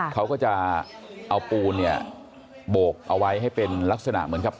เขาก็จะเอาปูโบกเอาไว้ให้เป็นลักษณะเหมือนนะครับ